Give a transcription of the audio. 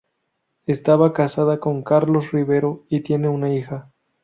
Estaba casada con Carlos Rivero y tiene una hija.